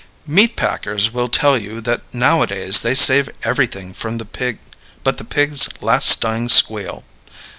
Meat packers will tell you that nowadays they save everything but the pig's last dying squeal.